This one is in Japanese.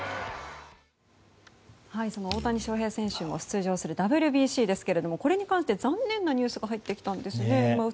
その大谷翔平選手も出場するＷＢＣですがこれに関して残念なニュースが入ってきたんですね。